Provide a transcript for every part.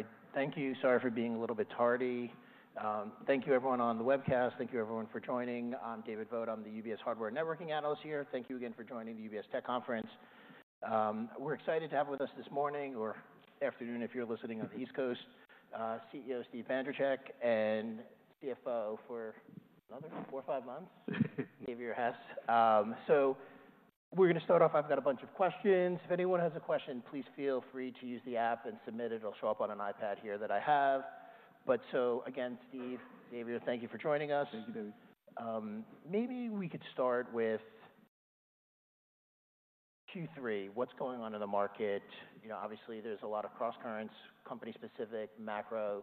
All right. Thank you. Sorry for being a little bit tardy. Thank you, everyone, on the webcast. Thank you, everyone, for joining. I'm David Vogt. I'm the UBS Hardware Networking Analyst here. Thank you again for joining the UBS Tech Conference. We're excited to have with us this morning or afternoon if you're listening on the East Coast, CEO Steve Bandrowczak and CFO for another four or five months, Xavier Heiss, so we're gonna start off. I've got a bunch of questions. If anyone has a question, please feel free to use the app and submit it. It'll show up on an iPad here that I have. But so again, Steve, Xavier, thank you for joining us. Thank you, David. Maybe we could start with Q3. What's going on in the market? You know, obviously, there's a lot of cross-currents, company-specific, macro.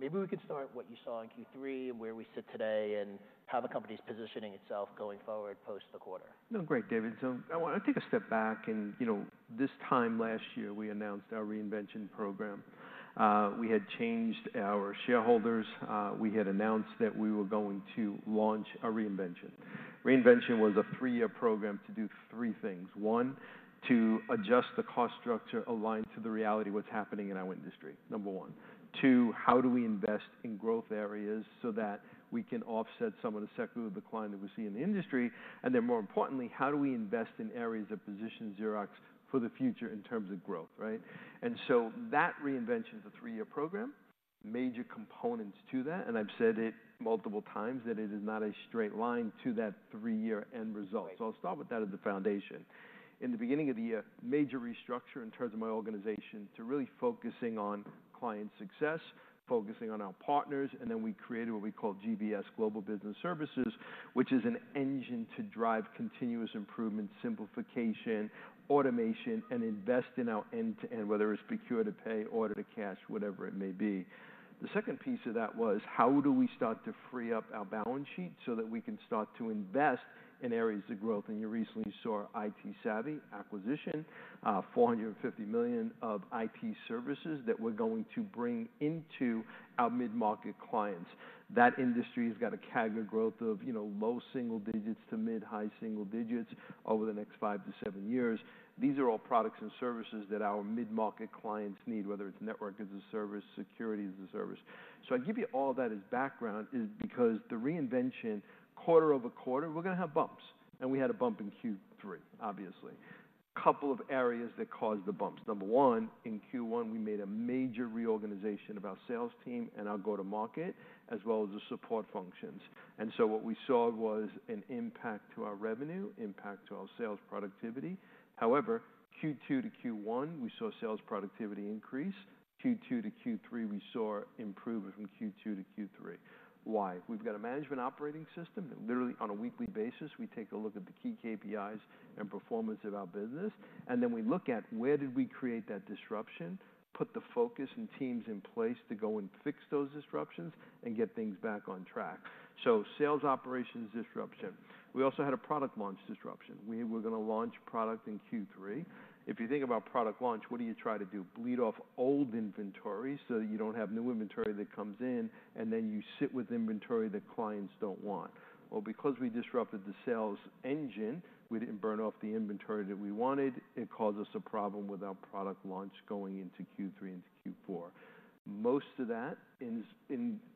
Maybe we could start with what you saw in Q3 and where we sit today and how the company's positioning itself going forward post the quarter. No, great, David. So I wanna take a step back and, you know, this time last year, we announced our Reinvention program. We had changed our shareholders. We had announced that we were going to launch a Reinvention. Reinvention was a three-year program to do three things. One, to adjust the cost structure aligned to the reality of what's happening in our industry, number one. Two, how do we invest in growth areas so that we can offset some of the secular decline that we see in the industry? And then, more importantly, how do we invest in areas of position Xerox for the future in terms of growth, right? And so that Reinvention's a three-year program. Major components to that. And I've said it multiple times that it is not a straight line to that three-year end result. Right. So I'll start with that as the foundation. In the beginning of the year, major restructure in terms of my organization to really focusing on client success, focusing on our partners. And then we created what we call GBS, Global Business Services, which is an engine to drive continuous improvement, simplification, automation, and invest in our end-to-end, whether it's procure to pay, order to cash, whatever it may be. The second piece of that was how do we start to free up our balance sheet so that we can start to invest in areas of growth? And you recently saw ITsavvy acquisition, $450 million of IT services that we're going to bring into our mid-market clients. That industry's got a CAGR growth of, you know, low single digits to mid-high single digits over the next five to seven years. These are all products and services that our mid-market clients need, whether it's network as a service, security as a service, so I give you all that as background because the Reinvention, quarter over quarter, we're gonna have bumps, and we had a bump in Q3, obviously. Couple of areas that caused the bumps. Number one, in Q1, we made a major reorganization of our sales team and our go-to-market as well as the support functions, and so what we saw was an impact to our revenue, impact to our sales productivity. However, Q2 to Q1, we saw sales productivity increase. Q2 to Q3, we saw improvement from Q2 to Q3. Why? We've got a management operating system that literally, on a weekly basis, we take a look at the key KPIs and performance of our business. We look at where did we create that disruption, put the focus and teams in place to go and fix those disruptions and get things back on track. Sales operations disruption. We also had a product launch disruption. We were gonna launch product in Q3. If you think about product launch, what do you try to do? Bleed off old inventory so that you don't have new inventory that comes in, and then you sit with inventory that clients don't want. Because we disrupted the sales engine, we didn't burn off the inventory that we wanted. It caused us a problem with our product launch going into Q3 into Q4. Most of that is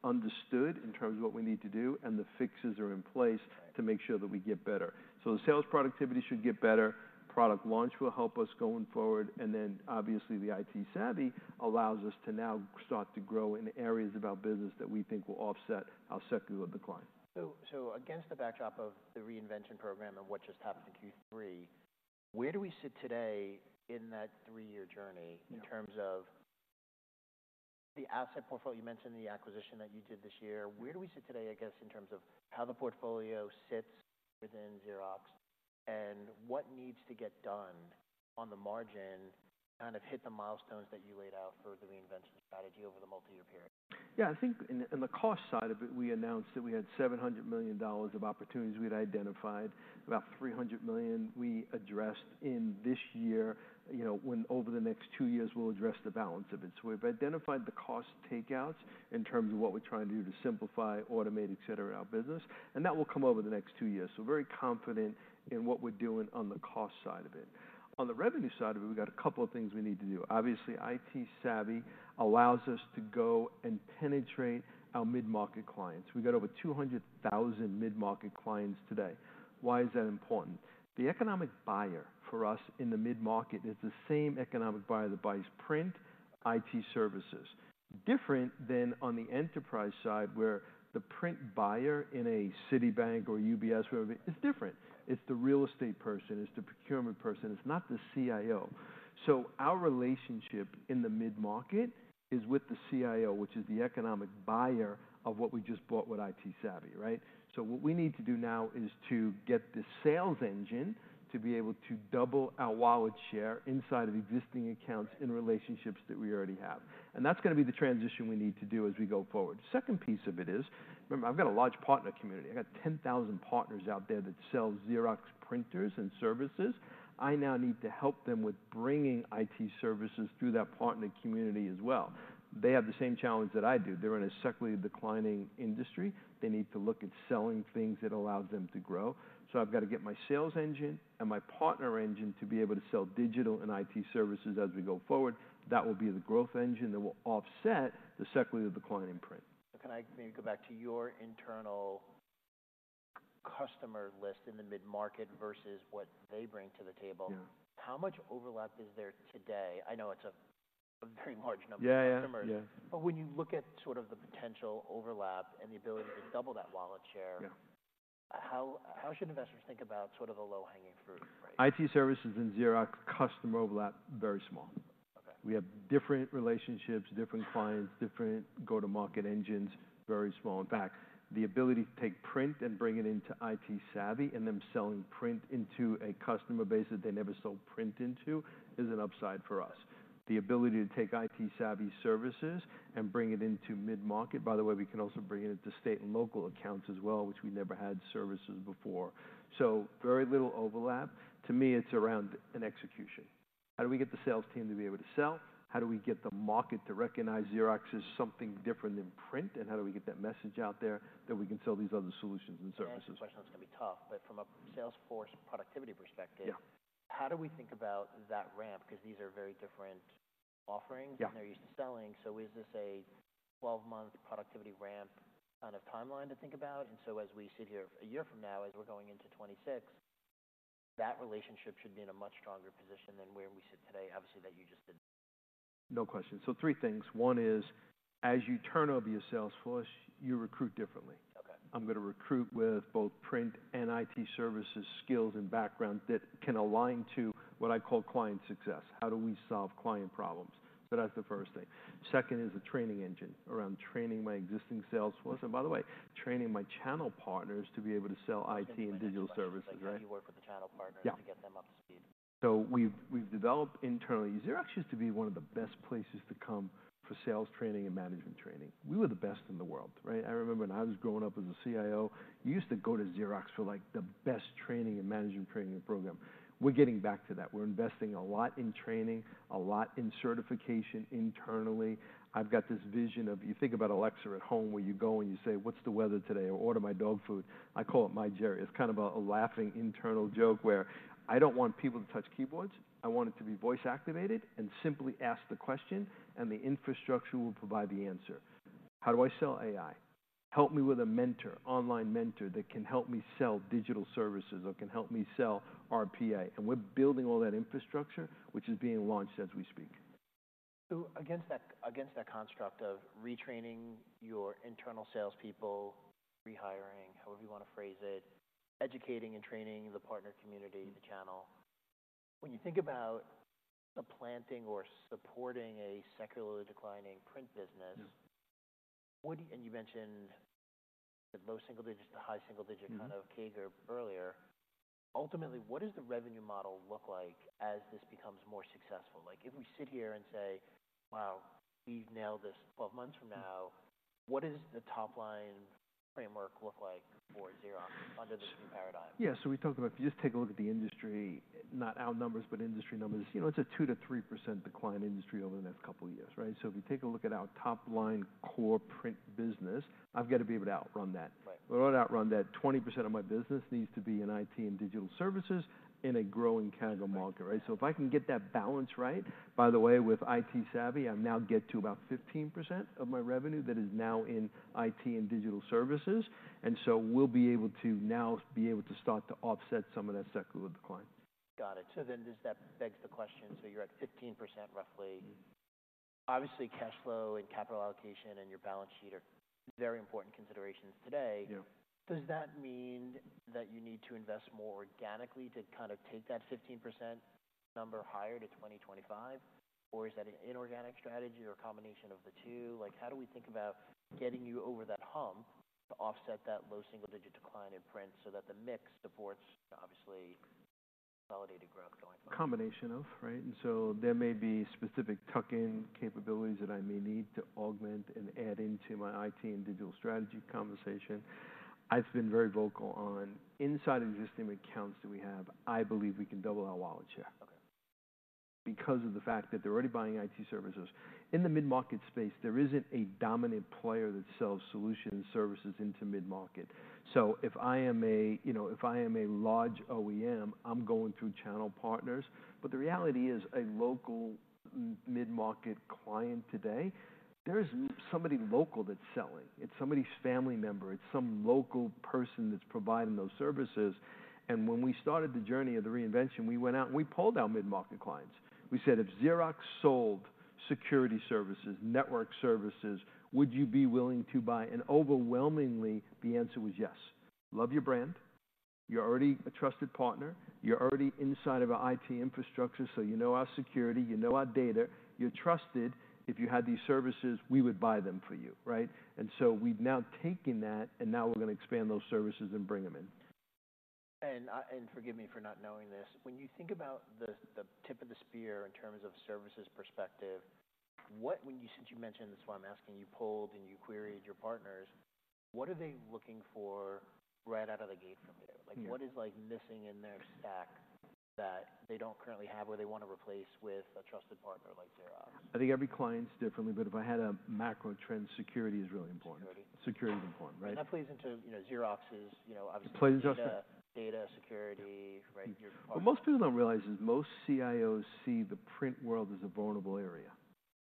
understood in terms of what we need to do, and the fixes are in place to make sure that we get better. The sales productivity should get better. Product launch will help us going forward, and then, obviously, the ITsavvy allows us to now start to grow in areas of our business that we think will offset our secular decline. So, so against the backdrop of the Reinvention program and what just happened in Q3, where do we sit today in that three-year journey in terms of the asset portfolio you mentioned and the acquisition that you did this year? Where do we sit today, I guess, in terms of how the portfolio sits within Xerox and what needs to get done on the margin to kind of hit the milestones that you laid out for the Reinvention strategy over the multi-year period? Yeah. I think in the cost side of it, we announced that we had $700 million of opportunities we'd identified, about $300 million we addressed in this year, you know, when over the next two years, we'll address the balance of it. So we've identified the cost takeouts in terms of what we're trying to do to simplify, automate, etc., our business, and that will come over the next two years, so very confident in what we're doing on the cost side of it. On the revenue side of it, we got a couple of things we need to do. Obviously, ITsavvy allows us to go and penetrate our mid-market clients. We got over 200,000 mid-market clients today. Why is that important? The economic buyer for us in the mid-market is the same economic buyer that buys print IT services. Different than on the enterprise side where the print buyer in a Citibank or UBS, wherever, it's different. It's the real estate person. It's the procurement person. It's not the CIO. So our relationship in the mid-market is with the CIO, which is the economic buyer of what we just bought with ITsavvy, right? So what we need to do now is to get the sales engine to be able to double our wallet share inside of existing accounts in relationships that we already have. And that's gonna be the transition we need to do as we go forward. Second piece of it is, remember, I've got a large partner community. I got 10,000 partners out there that sell Xerox printers and services. I now need to help them with bringing IT services through that partner community as well. They have the same challenge that I do. They're in a secularly declining industry. They need to look at selling things that allows them to grow. So I've gotta get my sales engine and my partner engine to be able to sell digital and IT services as we go forward. That will be the growth engine that will offset the secularly declining print. Can I maybe go back to your internal customer list in the mid-market versus what they bring to the table? Yeah. How much overlap is there today? I know it's a very large number of customers. Yeah, yeah. but when you look at sort of the potential overlap and the ability to double that wallet share. Yeah. How should investors think about sort of a low-hanging fruit? IT services and Xerox customer overlap very small. Okay. We have different relationships, different clients, different go-to-market engines, very small. In fact, the ability to take print and bring it into ITsavvy and them selling print into a customer base that they never sold print into is an upside for us. The ability to take ITsavvy services and bring it into mid-market, by the way, we can also bring it into state and local accounts as well, which we never had services before. So very little overlap. To me, it's around an execution. How do we get the sales team to be able to sell? How do we get the market to recognize Xerox is something different than print? And how do we get that message out there that we can sell these other solutions and services? I know that question's gonna be tough, but from a sales force productivity perspective. Yeah. How do we think about that ramp? 'Cause these are very different offerings. Yeah. They're used to selling. So is this a 12-month productivity ramp kind of timeline to think about? And so as we sit here a year from now, as we're going into 2026, that relationship should be in a much stronger position than where we sit today, obviously, that you just did. No question. So three things. One is, as you turn over your Salesforce, you recruit differently. Okay. I'm gonna recruit with both print and IT services, skills and background that can align to what I call client success. How do we solve client problems? So that's the first thing. Second is a training engine around training my existing sales force and, by the way, training my channel partners to be able to sell IT and digital services, right? So you work with the channel partners. Yeah. To get them up to speed. So we've developed internally. Xerox used to be one of the best places to come for sales training and management training. We were the best in the world, right? I remember when I was growing up as a CIO, you used to go to Xerox for, like, the best training and management training program. We're getting back to that. We're investing a lot in training, a lot in certification internally. I've got this vision of you think about Alexa at home where you go and you say, "What's the weather today?" or, "Order my dog food." I call it My Geri. It's kind of a laughing internal joke where I don't want people to touch keyboards. I want it to be voice-activated and simply ask the question, and the infrastructure will provide the answer. How do I sell AI? Help me with a mentor, online mentor that can help me sell digital services or can help me sell RPA, and we're building all that infrastructure, which is being launched as we speak. So, against that, against that construct of retraining your internal salespeople, rehiring, however you wanna phrase it, educating and training the partner community, the channel, when you think about supplanting or supporting a secularly declining print business. Yeah. What do you and you mentioned the low single-digit to high single-digit kind of? Yeah. CAGR earlier. Ultimately, what does the revenue model look like as this becomes more successful? Like, if we sit here and say, "Wow, we've nailed this 12 months from now," what does the top-line framework look like for Xerox under this new paradigm? Yeah. So we talked about if you just take a look at the industry, not our numbers but industry numbers, you know, it's a 2%-3% decline industry over the next couple of years, right? So if you take a look at our top-line core print business, I've gotta be able to outrun that. Right. We're gonna outrun that. 20% of my business needs to be in IT and digital services in a growing CAGR market, right? So if I can get that balance right, by the way, with ITsavvy, I now get to about 15% of my revenue that is now in IT and digital services. And so we'll be able to now start to offset some of that secular decline. Got it. So then does that beg the question, so you're at 15% roughly. Obviously, cash flow and capital allocation and your balance sheet are very important considerations today. Yeah. Does that mean that you need to invest more organically to kind of take that 15% number higher to 2025? Or is that an inorganic strategy or a combination of the two? Like, how do we think about getting you over that hump to offset that low single digit decline in print so that the mix supports, obviously, consolidated growth going forward? Combination of, right? And so there may be specific tuck-in capabilities that I may need to augment and add into my IT and digital strategy conversation. I've been very vocal on inside existing accounts that we have. I believe we can double our wallet share. Okay. Because of the fact that they're already buying IT services. In the mid-market space, there isn't a dominant player that sells solution services into mid-market. So if I am a, you know, if I am a large OEM, I'm going through channel partners. But the reality is a local mid-market client today, there's somebody local that's selling. It's somebody's family member. It's some local person that's providing those services. And when we started the journey of the Reinvention, we went out and we pulled out mid-market clients. We said, "If Xerox sold security services, network services, would you be willing to buy?" And overwhelmingly, the answer was yes. Love your brand. You're already a trusted partner. You're already inside of our IT infrastructure, so you know our security. You know our data. You're trusted. If you had these services, we would buy them for you, right? We've now taken that, and now we're gonna expand those services and bring them in. I forgive me for not knowing this. When you think about the tip of the spear in terms of services perspective, what, when you since you mentioned this is why I'm asking, you pulled and you queried your partners. What are they looking for right out of the gate from you? Like, what is like missing in their stack that they don't currently have or they wanna replace with a trusted partner like Xerox? I think every client is different, but if I had a macro trend, security is really important. Security. Security's important, right? And that plays into, you know, Xerox's, you know, obviously. It plays into. Data, security, right? Your partners. What most people don't realize is most CIOs see the print world as a vulnerable area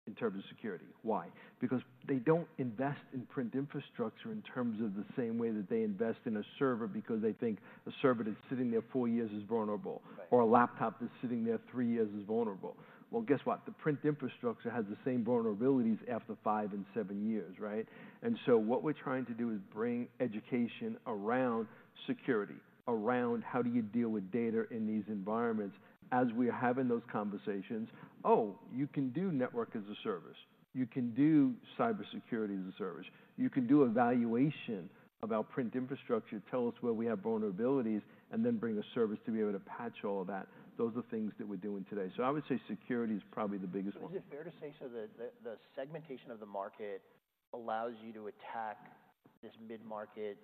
in terms of security. Why? Because they don't invest in print infrastructure in terms of the same way that they invest in a server because they think a server that's sitting there four years is vulnerable. Right. Or a laptop that's sitting there three years is vulnerable. Well, guess what? The print infrastructure has the same vulnerabilities after five and seven years, right? And so what we're trying to do is bring education around security, around how do you deal with data in these environments. As we're having those conversations, oh, you can do network as a service. You can do cybersecurity as a service. You can do evaluation of our print infrastructure, tell us where we have vulnerabilities, and then bring a service to be able to patch all of that. Those are things that we're doing today. So I would say security is probably the biggest one. Is it fair to say so that the segmentation of the market allows you to attack this mid-market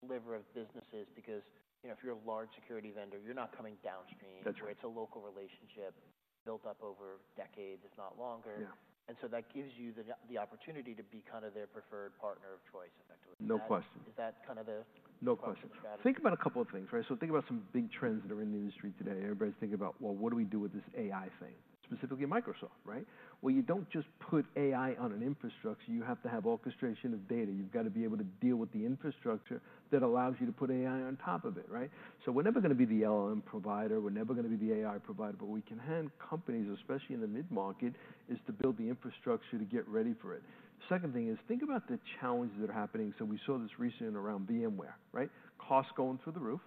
sliver of businesses because, you know, if you're a large security vendor, you're not coming downstream? That's right. Where it's a local relationship built up over decades, if not longer. Yeah. And so that gives you the opportunity to be kind of their preferred partner of choice, effectively. No question. Is that kind of the? No question. Market strategy? Think about a couple of things, right, so think about some big trends that are in the industry today. Everybody's thinking about, well, what do we do with this AI thing? Specifically, Microsoft, right, well, you don't just put AI on an infrastructure. You have to have orchestration of data. You've gotta be able to deal with the infrastructure that allows you to put AI on top of it, right, so we're never gonna be the LLM provider. We're never gonna be the AI provider. But what we can hand companies, especially in the mid-market, is to build the infrastructure to get ready for it. Second thing is, think about the challenges that are happening, so we saw this recently around VMware, right, cost going through the roof,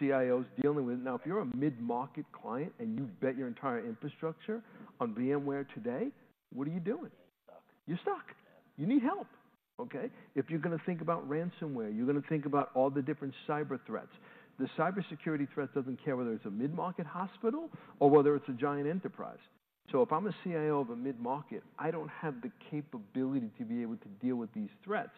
CIOs dealing with it. Now, if you're a mid-market client and you bet your entire infrastructure on VMware today, what are you doing? Stuck. You're stuck. Yeah. You need help, okay? If you're gonna think about ransomware, you're gonna think about all the different cyber threats. The cybersecurity threat doesn't care whether it's a mid-market hospital or whether it's a giant enterprise. So if I'm a CIO of a mid-market, I don't have the capability to be able to deal with these threats.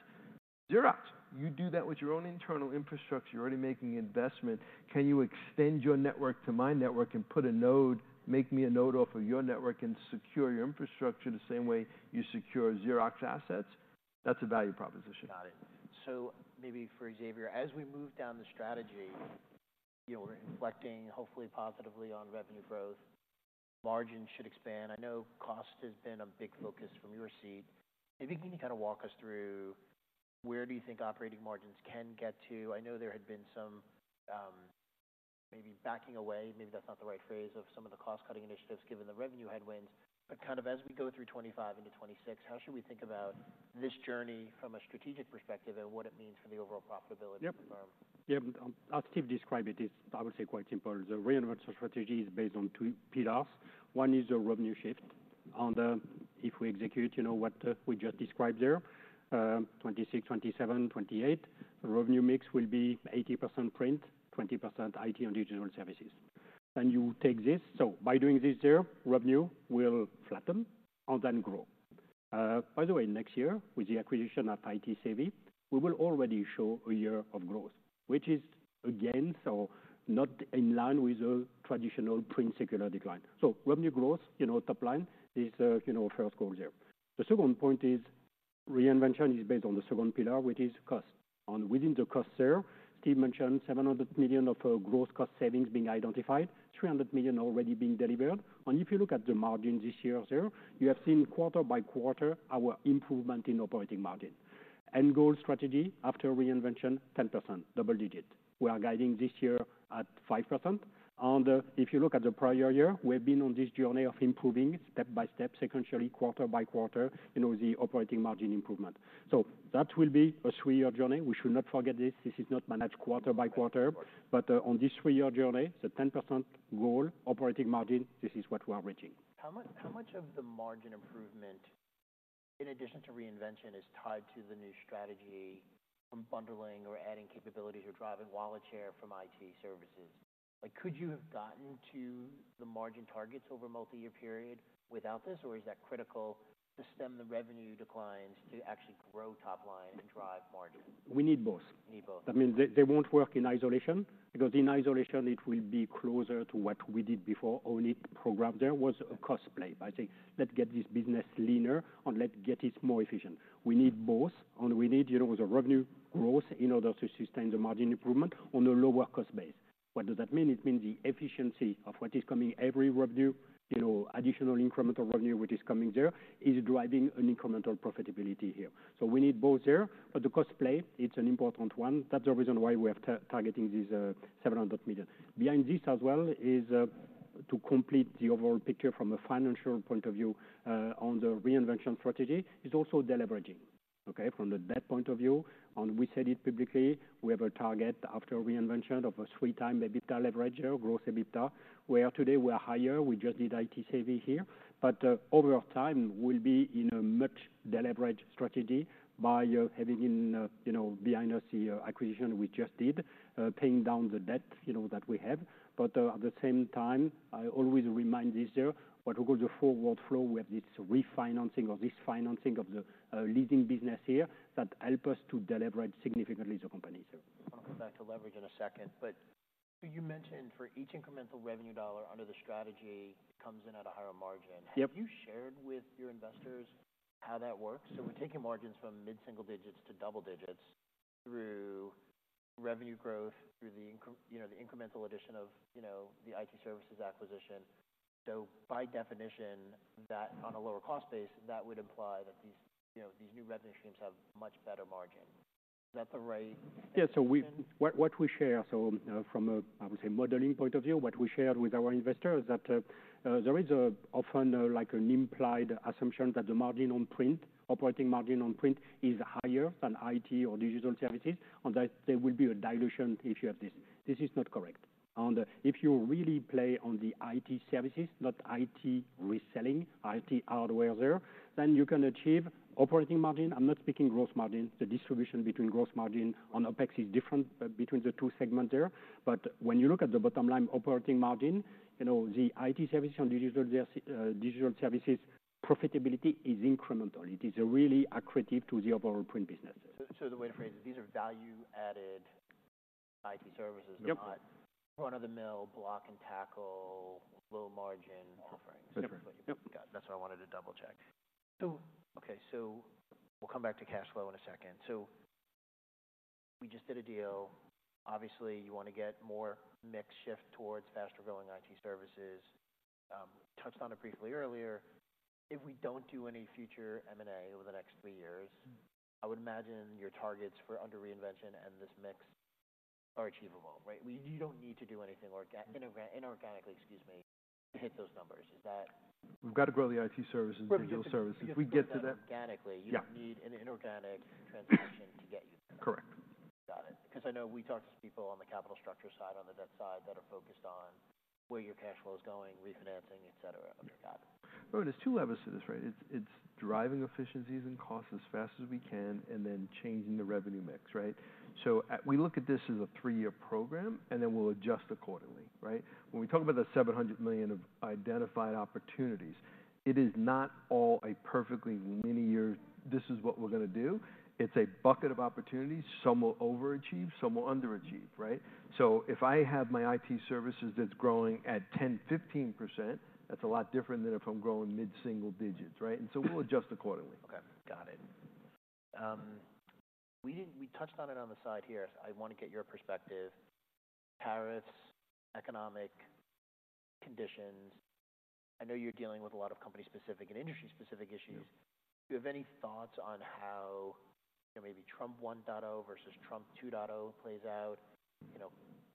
Xerox, you do that with your own internal infrastructure. You're already making investment. Can you extend your network to my network and put a node, make me a node off of your network and secure your infrastructure the same way you secure Xerox assets? That's a value proposition. Got it. So maybe for Xavier, as we move down the strategy, you know, we're inflecting hopefully positively on revenue growth. Margin should expand. I know cost has been a big focus from your seat. Maybe can you kinda walk us through where do you think operating margins can get to? I know there had been some, maybe backing away, maybe that's not the right phrase, of some of the cost-cutting initiatives given the revenue headwinds. But kind of as we go through 2025 into 2026, how should we think about this journey from a strategic perspective and what it means for the overall profitability of the firm? Yep. I'll let Steve describe it. It's, I would say, quite simple. The Reinvention strategy is based on two pillars. One is the revenue shift. On the, if we execute, you know, what we just described there, 2026, 2027, 2028, the revenue mix will be 80% print, 20% IT and digital services. And you take this. So by doing this there, revenue will flatten and then grow. By the way, next year with the acquisition of ITsavvy, we will already show a year of growth, which is against or not in line with a traditional print secular decline. So revenue growth, you know, top line is, you know, first goal there. The second point is Reinvention is based on the second pillar, which is cost. And within the cost there, Steve mentioned $700 million of gross cost savings being identified, $300 million already being delivered. And if you look at the margin this year there, you have seen quarter by quarter our improvement in operating margin. End goal strategy after Reinvention, 10%, double digit. We are guiding this year at 5%. And if you look at the prior year, we've been on this journey of improving step by step, sequentially, quarter by quarter, you know, the operating margin improvement. So that will be a three-year journey. We should not forget this. This is not managed quarter by quarter. Right. On this three-year journey, the 10% goal operating margin, this is what we are reaching. How much of the margin improvement, in addition to reinvention, is tied to the new strategy from bundling or adding capabilities or driving wallet share from IT services? Like, could you have gotten to the margin targets over a multi-year period without this? Or is that critical to stem the revenue declines to actually grow top line and drive margin? We need both. Need both. That means they won't work in isolation because in isolation, it will be closer to what we did before only program. There was a cost play. I say, "Let's get this business leaner and let's get it more efficient." We need both, and we need, you know, the revenue growth in order to sustain the margin improvement on a lower cost base. What does that mean? It means the efficiency of what is coming every revenue, you know, additional incremental revenue which is coming there is driving an incremental profitability here. So we need both there. But the cost play, it's an important one. That's the reason why we are targeting these $700 million. Behind this as well is, to complete the overall picture from a financial point of view, on the Reinvention strategy is also the leveraging, okay, from the debt point of view. And we said it publicly, we have a target after reinvention of a three-time EBITDA leverage, gross EBITDA, where today we are higher. We just did ITsavvy here. But over time, we'll be in a much deleveraged strategy by having in, you know, behind us the acquisition we just did, paying down the debt, you know, that we have. But at the same time, I always remind this there, what we call the forward flow, we have this refinancing or this financing of the leasing business here that help us to deleverage significantly the company there. I'll come back to leverage in a second, but so you mentioned for each incremental revenue dollar under the strategy, it comes in at a higher margin. Yep. Have you shared with your investors how that works? So we're taking margins from mid-single digits to double digits through revenue growth, through the you know, the incremental addition of, you know, the IT services acquisition. So by definition, that on a lower cost base, that would imply that these, you know, these new revenue streams have much better margin. Is that the right thing? Yeah. So what we share, so, from a modeling point of view, what we shared with our investor is that there is often, like, an implied assumption that the margin on print, operating margin on print, is higher than IT or digital services, and that there will be a dilution if you have this. This is not correct, and if you really play on the IT services, not IT reselling, IT hardware there, then you can achieve operating margin. I'm not speaking gross margin. The distribution between gross margin and OpEx is different between the two segments there, but when you look at the bottom line, operating margin, you know, the IT services and digital services profitability is incremental. It is really accretive to the overall print business. So, the way to phrase it, these are value-added IT services. Yep. Not run-of-the-mill block-and-tackle, low-margin offerings. Yep. That's what you've got. That's what I wanted to double-check. So, okay. So we'll come back to cash flow in a second. So we just did a deal. Obviously, you wanna get more mix shift towards faster-going IT services. Touched on it briefly earlier. If we don't do any future M&A over the next three years, I would imagine your targets for under Reinvention and this mix are achievable, right? We, you don't need to do anything or get. Yep. Inorganic, inorganically, excuse me, hit those numbers. Is that? We've gotta grow the IT services. For you. Digital services. We get to that. Organically. Yep. You don't need an inorganic transaction to get you there. Correct. Got it. 'Cause I know we talked to some people on the capital structure side, on the debt side, that are focused on where your cash flow is going, refinancing, etc. Yep. Okay. Got it. There's two levels to this, right? It's driving efficiencies and costs as fast as we can and then changing the revenue mix, right? So as we look at this as a three-year program, and then we'll adjust accordingly, right? When we talk about the $700 million of identified opportunities, it is not all a perfectly linear, "This is what we're gonna do." It's a bucket of opportunities, some will overachieve, some will underachieve, right? So if I have my IT services that's growing at 10%-15%, that's a lot different than if I'm growing mid-single digits, right? And so we'll adjust accordingly. Okay. Got it. We touched on it on the side here. I wanna get your perspective. Tariffs, economic conditions. I know you're dealing with a lot of company-specific and industry-specific issues. Yes. Do you have any thoughts on how, you know, maybe Trump 1.0 versus Trump 2.0 plays out? You know,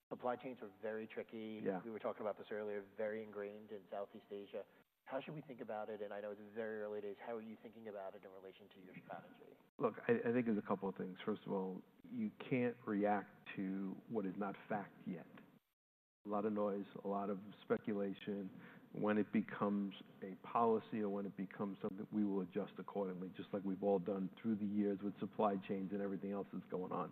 supply chains are very tricky. Yeah. We were talking about this earlier, very ingrained in Southeast Asia. How should we think about it, and I know it's very early days. How are you thinking about it in relation to your strategy? Look, I think there's a couple of things. First of all, you can't react to what is not fact yet. A lot of noise, a lot of speculation. When it becomes a policy or when it becomes something, we will adjust accordingly, just like we've all done through the years with supply chains and everything else that's going on.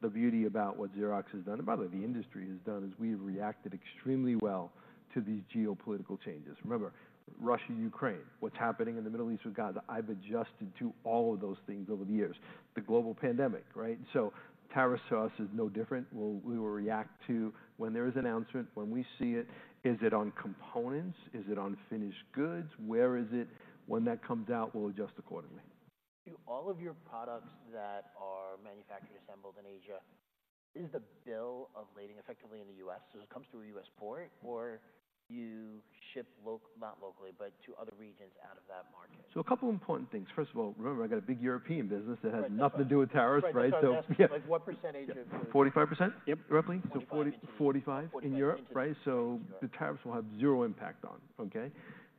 The beauty about what Xerox has done, and by the way, the industry has done, is we've reacted extremely well to these geopolitical changes. Remember, Russia, Ukraine, what's happening in the Middle East with Gaza. I've adjusted to all of those things over the years. The global pandemic, right? So tariffs to us is no different. We will react to when there is an announcement, when we see it. Is it on components? Is it on finished goods? Where is it? When that comes out, we'll adjust accordingly. Do all of your products that are manufactured, assembled in Asia, is the bill of lading effectively in the U.S.? Does it come through a U.S. port, or do you ship directly not locally, but to other regions out of that market? A couple of important things. First of all, remember, I got a big European business that has nothing to do with tariffs, right? Right. So yeah. Like, what percentage of? 45%? Yep, roughly. 45%? So 40%-45% in Europe, right? So the tariffs will have zero impact on, okay?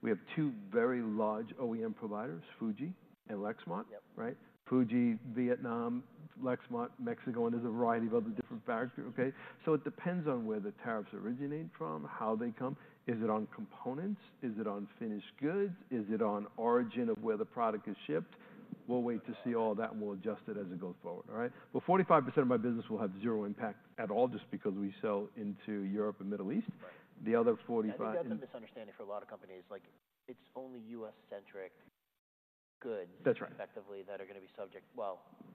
We have two very large OEM providers, Fuji and Lexmark. Yep. Right? Fuji, Vietnam, Lexmark, Mexico, and there's a variety of other different factors, okay? So it depends on where the tariffs originate from, how they come. Is it on components? Is it on finished goods? Is it on origin of where the product is shipped? We'll wait to see all that, and we'll adjust it as it goes forward, all right? But 45% of my business will have zero impact at all just because we sell into Europe and Middle East. Right. The other 45%. That's a misunderstanding for a lot of companies. Like, it's only U.S.-centric goods. That's right. Effectively that are gonna be subject, well, hopefully. Yeah.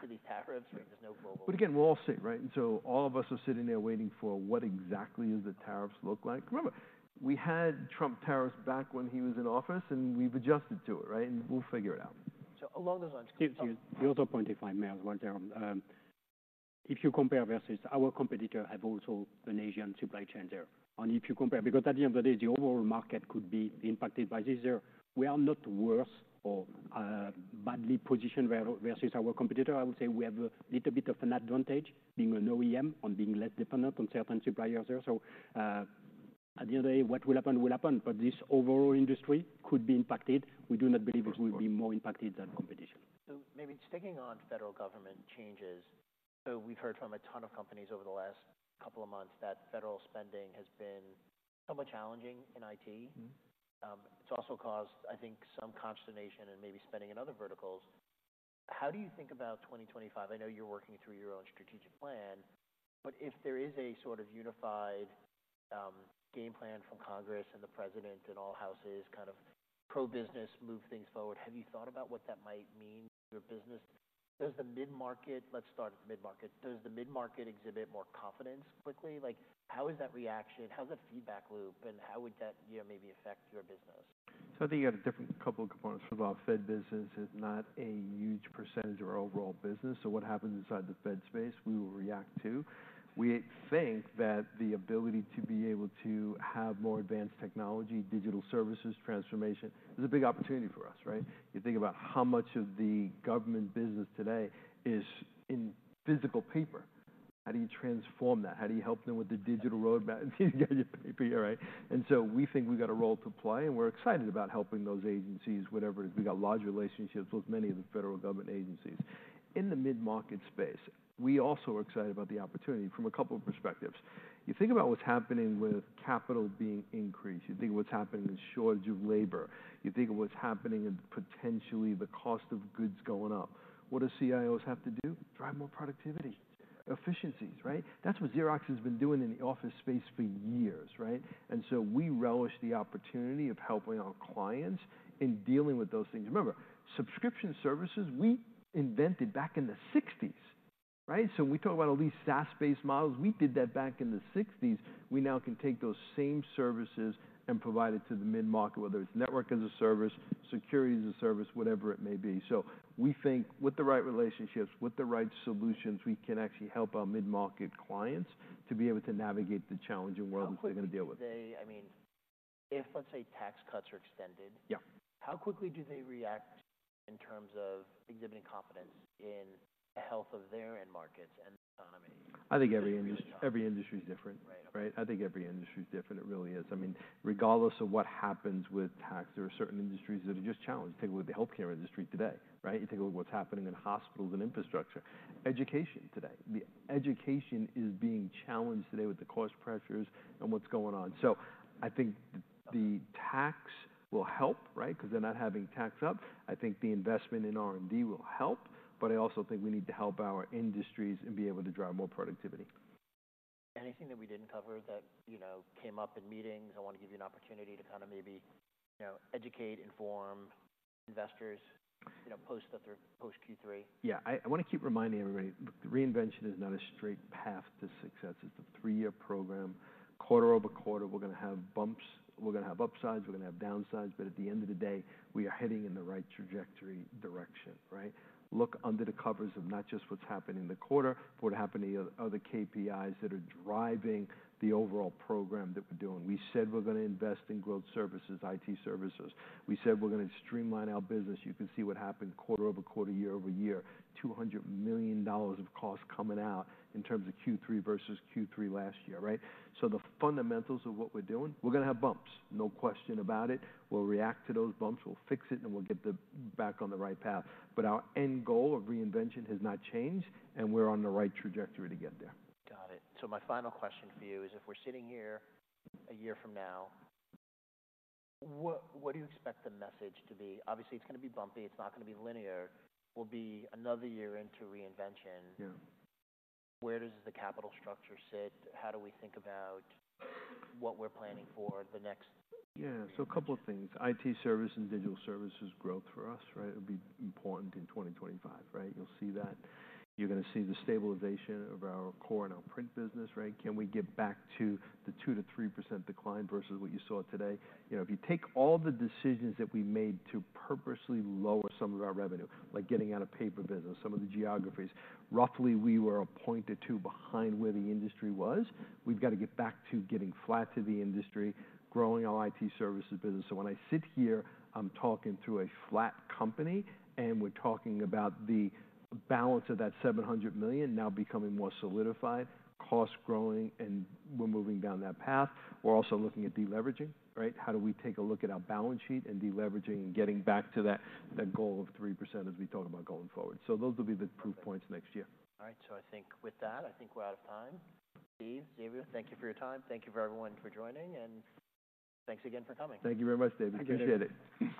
To these tariffs, right? There's no global. But again, we'll all see, right? And so all of us are sitting there waiting for what exactly do the tariffs look like? Remember, we had Trump tariffs back when he was in office, and we've adjusted to it, right? And we'll figure it out. So along those lines. Steve, the other point if I may as well, Jerome. If you compare versus our competitor, have also an Asian supply chain there, and if you compare because at the end of the day, the overall market could be impacted by this there. We are not worse or badly positioned versus our competitor. I would say we have a little bit of an advantage being an OEM and being less dependent on certain suppliers there, so at the end of the day, what will happen will happen, but this overall industry could be impacted. We do not believe it will be more impacted than competition. So, maybe sticking on federal government changes. So, we've heard from a ton of companies over the last couple of months that federal spending has been somewhat challenging in IT. Mm-hmm. It's also caused, I think, some consternation and maybe spending in other verticals. How do you think about 2025? I know you're working through your own strategic plan, but if there is a sort of unified game plan from Congress and the president and all houses kind of pro-business, move things forward, have you thought about what that might mean for your business? Does the mid-market let's start at the mid-market. Does the mid-market exhibit more confidence quickly? Like, how is that reaction? How's that feedback loop, and how would that, you know, maybe affect your business? So, I think you got a different couple of components. For the Fed business, it's not a huge percentage of our overall business. So what happens inside the Fed space, we will react to. We think that the ability to be able to have more advanced technology, digital services, transformation is a big opportunity for us, right? You think about how much of the government business today is in physical paper. How do you transform that? How do you help them with the digital roadmap? You got your paper here, right? And so we think we got a role to play, and we're excited about helping those agencies, whatever it is. We got large relationships with many of the federal government agencies. In the mid-market space, we also are excited about the opportunity from a couple of perspectives. You think about what's happening with capital being increased. You think of what's happening with shortage of labor. You think of what's happening with potentially the cost of goods going up. What do CIOs have to do? Drive more productivity, efficiencies, right? That's what Xerox has been doing in the office space for years, right? And so we relish the opportunity of helping our clients in dealing with those things. Remember, subscription services we invented back in the '60s, right? So we talk about all these SaaS-based models. We did that back in the '60s. We now can take those same services and provide it to the mid-market, whether it's network as a service, security as a service, whatever it may be. So we think with the right relationships, with the right solutions, we can actually help our mid-market clients to be able to navigate the challenging world. How quickly do they? That we're gonna deal with? I mean, if, let's say, tax cuts are extended. Yep. How quickly do they react in terms of exhibiting confidence in the health of their end markets and the economy? I think every industry. And how? Every industry's different, right? Right. I think every industry's different. It really is. I mean, regardless of what happens with tax, there are certain industries that are just challenged. Take a look at the healthcare industry today, right? You take a look at what's happening in hospitals and infrastructure. Education today. The education is being challenged today with the cost pressures and what's going on. So I think the tax will help, right? 'Cause they're not having tax up. I think the investment in R&D will help, but I also think we need to help our industries and be able to drive more productivity. Anything that we didn't cover that, you know, came up in meetings? I wanna give you an opportunity to kinda maybe, you know, educate, inform investors, you know, post the third, post Q3. Yeah. I, I wanna keep reminding everybody, look, the Reinvention is not a straight path to success. It's a three-year program. Quarter-over-quarter, we're gonna have bumps. We're gonna have upsides. We're gonna have downsides. But at the end of the day, we are heading in the right trajectory direction, right? Look under the covers of not just what's happened in the quarter, but what happened to the other KPIs that are driving the overall program that we're doing. We said we're gonna invest in growth services, IT services. We said we're gonna streamline our business. You can see what happened quarter-over-quarter, year-over-year. $200 million of costs coming out in terms of Q3 versus Q3 last year, right? So the fundamentals of what we're doing, we're gonna have bumps. No question about it. We'll react to those bumps. We'll fix it, and we'll get back on the right path. But our end goal of Reinvention has not changed, and we're on the right trajectory to get there. Got it. So my final question for you is, if we're sitting here a year from now, what, what do you expect the message to be? Obviously, it's gonna be bumpy. It's not gonna be linear. We'll be another year into reinvention. Yeah. Where does the capital structure sit? How do we think about what we're planning for the next? Yeah. So a couple of things. IT service and digital services growth for us, right? It'll be important in 2025, right? You're gonna see the stabilization of our core and our print business, right? Can we get back to the 2%-3% decline versus what you saw today? You know, if you take all the decisions that we made to purposely lower some of our revenue, like getting out of paper business, some of the geographies, roughly we were a point or two behind where the industry was. We've gotta get back to getting flat to the industry, growing our IT services business. So when I sit here, I'm talking through a flat company, and we're talking about the balance of that $700 million now becoming more solidified, cost growing, and we're moving down that path. We're also looking at deleveraging, right? How do we take a look at our balance sheet and deleveraging and getting back to that, that goal of 3% as we talk about going forward? So those will be the proof points next year. All right, so I think with that, I think we're out of time. Steve, Xavier, thank you for your time. Thank you for everyone for joining, and thanks again for coming. Thank you very much, David. I appreciate it.